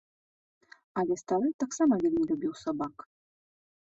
Але стары таксама вельмі любіў сабак.